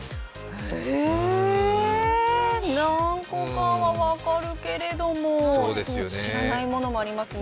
え、何個かは分かるけど知らないものもありますね。